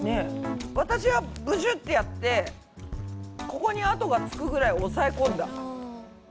私はブシュッてやってここに跡がつくぐらい押さえ込んだ。